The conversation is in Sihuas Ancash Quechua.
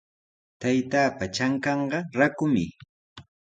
Taytaapa trankanqa rakumi.